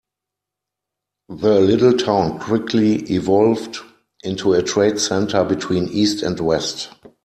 The little town quickly evolved into a trade center between east and west.